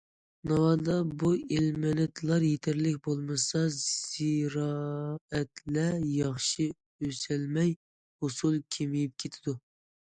ناۋادا بۇ ئېلېمېنتلار يېتەرلىك بولمىسا، زىرائەتلەر ياخشى ئۆسەلمەي، ھوسۇل كېمىيىپ كېتىدۇ.